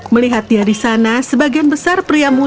melihat dia di sana sebagian besar pria itu menangkapnya